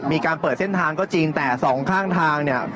มีการเปิดเส้นทางก็จริงแต่สองข้างทางเนี่ย